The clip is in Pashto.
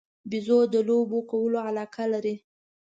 بیزو د لوبو کولو علاقه لري.